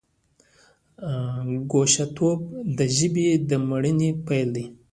ګوښه توب د ژبې د مړینې پیل دی.